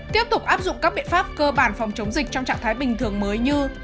tiếp tục áp dụng các biện pháp cơ bản phòng chống dịch trong trạng thái bình thường mới như